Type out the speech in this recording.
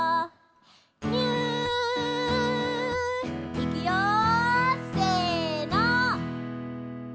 いくよせの！